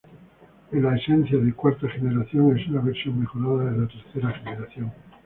La esencia de cuarta generación es una versión mejorada de la tercera generación.